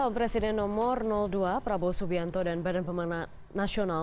calon presiden nomor dua prabowo subianto dan badan pemenang nasional